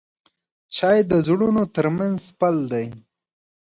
چای د زړونو ترمنځ پل دی.